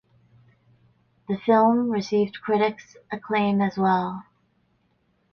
The film received critics acclaim as well.